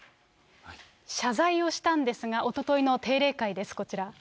謝罪をしたんですが、おとといの定例会です、こちら。